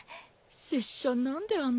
拙者何であんなことを。